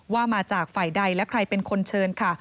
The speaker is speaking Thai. ว่ามาจากฝ่ายใดและใครเป็นคนเชิญค่ะ